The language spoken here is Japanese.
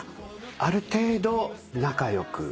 ある程度仲良く。